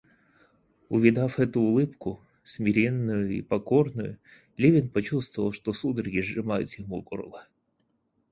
Увидав эту улыбку, смиренную и покорную, Левин почувствовал, что судороги сжимают ему горло.